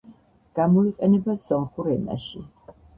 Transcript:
გამოიყენება სომხურ ენაში.